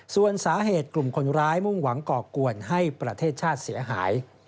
ส่วนสาเหตุกลุ่มคนร้ายมุ่งหวังก่อกวนให้ประเทศชาติเสียหาย